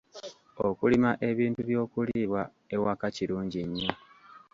Okulima ebintu by'okuliibwa ewaka kirungi nnyo.